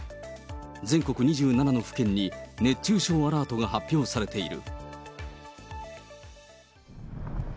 全国２７の府県に熱中症アラートが発表されている。